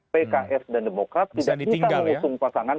pks dan demokrat tidak bisa mengusung pasangan